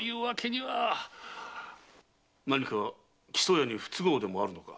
何か木曽屋に不都合でもあるのか？